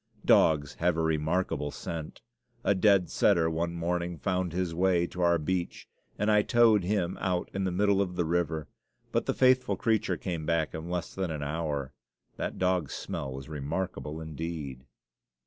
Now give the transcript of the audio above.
Dogs have a remarkable scent. A dead setter one morning found his way to our beach, and I towed him out in the middle of the river; but the faithful creature came back in less than an hour that dog's smell was remarkable indeed.